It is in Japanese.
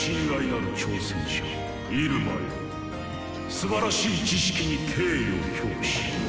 すばらしい知識に敬意を表し